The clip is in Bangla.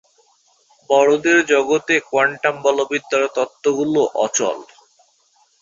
বড়দের জগতে কোয়ান্টাম বলবিদ্যার তত্ত্বগুলো অচল।